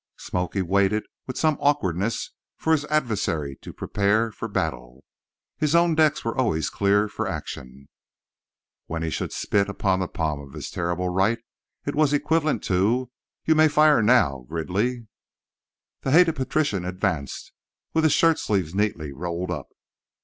"Smoky" waited with some awkwardness for his adversary to prepare for battle. His own decks were always clear for action. When he should spit upon the palm of his terrible right it was equivalent to "You may fire now, Gridley." The hated patrician advanced, with his shirt sleeves neatly rolled up.